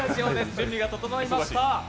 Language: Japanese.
準備が整いました。